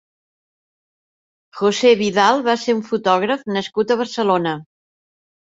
José Vidal va ser un fotògraf nascut a Barcelona.